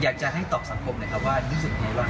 อยากจะให้ตอบสังคมหน่อยครับว่าคุณรู้สึกไงบ้าง